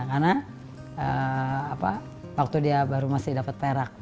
karena waktu dia baru masih dapat perak